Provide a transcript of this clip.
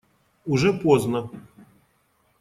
Уже поздно.